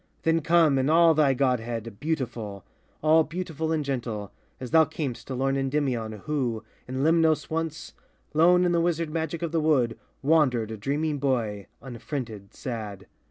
Then come in all thy godhead, beautiful! All beautiful and gentle, as thou cam'st To lorn Endymion, who, in Lemnos once, Lone in the wizard magic of the wood, Wandered, a dreaming boy, unfriended, sad.